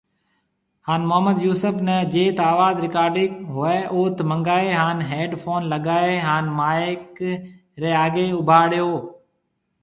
هان محمد يوسف ني جيٿ آواز رڪارڊنگ هوئي اوٿ منگائي هان هيڊ فون لگائي هان مائيڪ ري آگھيَََ اوڀاڙيو